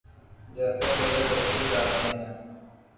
جیسے میرے بچے چاہتے ہیں۔